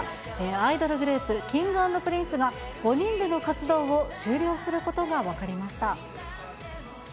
アイドルグループ、Ｋｉｎｇ＆Ｐｒｉｎｃｅが、５人での活動を終了することが分かりました。